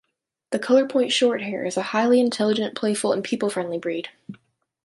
The Colorpoint Shorthair is a highly intelligent, playful, and people-friendly breed.